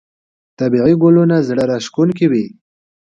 طبیعي ګلونه زړه راښکونکي وي.